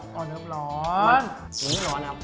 มันไม่ร้อนครับ